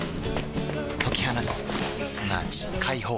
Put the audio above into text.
解き放つすなわち解放